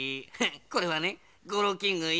これはねゴロウキング１ごう。